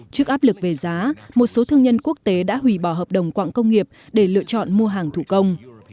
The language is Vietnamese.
trước áp lực về giá một số thương nhân quốc tế đã hủy bỏ hợp đồng quạng công nghiệp để lựa chọn mua hàng thủ công